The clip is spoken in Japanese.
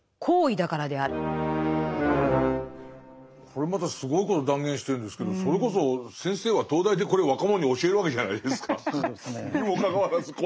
これまたすごいこと断言してるんですけどそれこそ先生は東大でこれ若者に教えるわけじゃないですか。